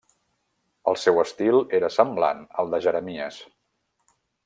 El seu estil era semblant al de Jeremies.